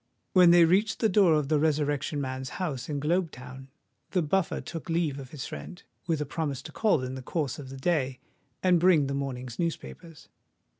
When they reached the door of the Resurrection Man's house in Globe Town, the Buffer took leave of his friend, with a promise to call in the course of the day and bring the morning's newspapers.